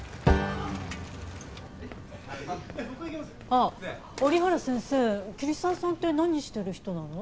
あっ折原先生桐沢さんって何してる人なの？